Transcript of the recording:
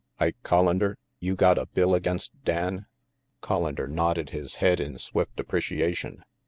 Ike Collander, you got a bill against Dan?' Collander nodded his head in swift appreciation.